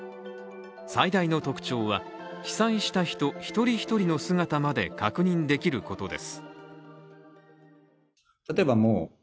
最大の特徴は被災した人一人一人の姿まで確認できることです。